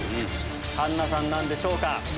環奈さんなんでしょうか？